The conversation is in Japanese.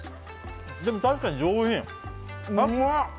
でも確かに上品うまっ！